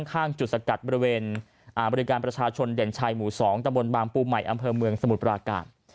ข้างจุดสกัดบริเวณบริการประชาชนเด่นชัยหมู่๒ตะบนบางปูใหม่อำเภอเมืองสมุทรปราการ